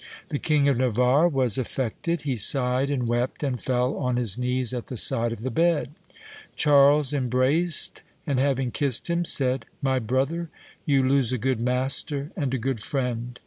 The King of Navarre was affected; he sighed and wept, and fell on his knees at the side of the bed. Charles embraced, and having kissed him, said, 'My brother, you lose a good master and a good friend.